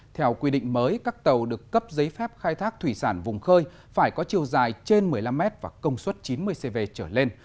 theo quy định mới các tàu được cấp giấy phép khai thác thủy sản vùng khơi phải có chiều dài trên một mươi năm mét và công suất chín mươi cv trở lên